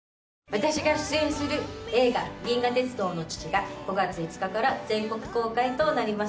私が出演する映画『銀河鉄道の父』が５月５日から全国公開となります。